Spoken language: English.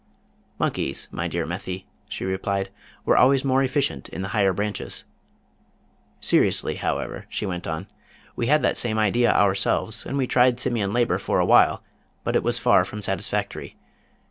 "Monkeys, my dear Methy," she replied, "were always more efficient in the higher branches. Seriously, however," she went on, "we had that same idea ourselves, and we tried Simian labor for a while, but it was far from satisfactory.